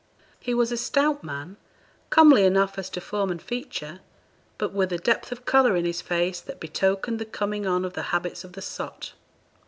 He was a stout man, comely enough as to form and feature, but with a depth of colour in his face that betokened the coming on of the habits of the sot.